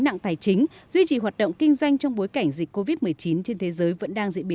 nặng tài chính duy trì hoạt động kinh doanh trong bối cảnh dịch covid một mươi chín trên thế giới vẫn đang